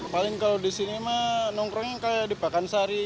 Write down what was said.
paling kalau disini mah nongkrongnya kayak di pekansari